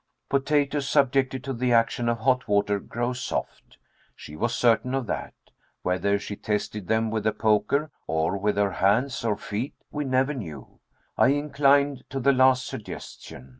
Potatoes, subjected to the action of hot water, grow soft. She was certain of that. Whether she tested them with the poker, or with her hands or feet, we never knew. I inclined to the last suggestion.